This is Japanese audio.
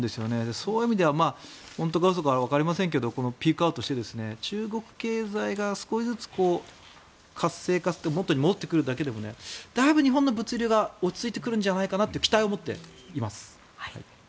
そういう意味では本当か嘘かわかりませんがピークアウトして中国経済が少しずつ活性化して元に戻ってくるだけでもだいぶ日本の物流は落ち着いてくるんじゃないかなという期待を持っています。